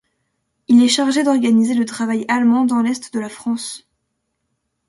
Il est chargé d'organiser le Travail allemand dans l'Est de la France.